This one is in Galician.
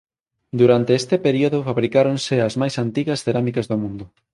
Durante este período fabricáronse as máis antigas cerámicas do mundo.